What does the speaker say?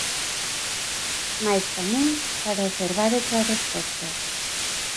Mais tamén para observar outras respostas.